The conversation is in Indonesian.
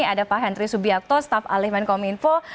ada pak hendry subiakto staff alih menkominfo